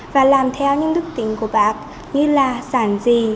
và làm theo những đức tính của bạc như là sản dì